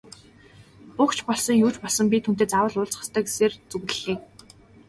Буг ч болсон, юу ч болсон би түүнтэй заавал уулзах ёстой гэсээр зүглэлээ.